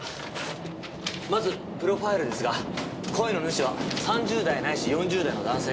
まずプロファイルですが声の主は３０代ないし４０代の男性。